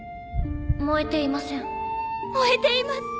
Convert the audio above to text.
燃えていません燃えています。